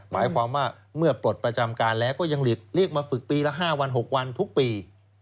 หมายความว่าเมื่อปลดประจำการแล้วก็ยังเรียกมาฝึกปีละ๕วัน๖วันทุกปี